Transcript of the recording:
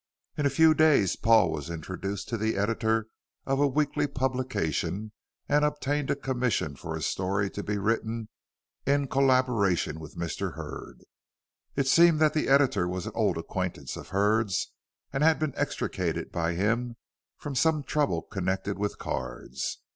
In a few days Paul was introduced to the editor of a weekly publication and obtained a commission for a story to be written in collaboration with Mr. Hurd. It seemed that the editor was an old acquaintance of Hurd's and had been extricated by him from some trouble connected with cards.